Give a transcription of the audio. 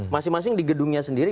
masing masing di gedungnya sendiri